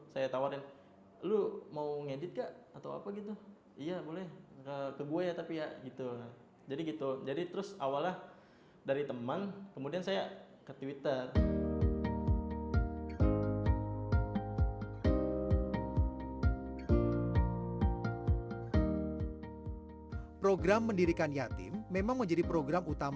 saya tawarin lu mau ngedit gak atau apa gitu